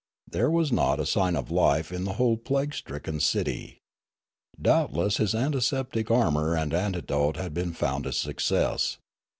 There was not Noola 415 a sign of life in the whole plague stricken city. Doubt less his antiseptic armour and antidote had been found a success.